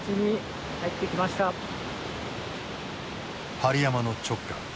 針山の直下